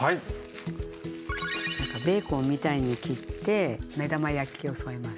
何かベーコンみたいに切って目玉焼きを添えます。